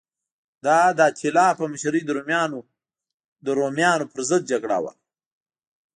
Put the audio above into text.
دا د اتیلا په مشرۍ د رومیانو پرضد جګړه وه